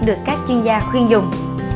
được các chuyên gia khuyên dùng